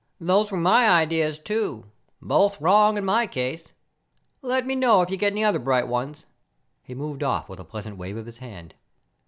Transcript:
"Those were my ideas, too. Both wrong in my case. Let me know if you get any other bright ones." He moved off with a pleasant wave of his hand.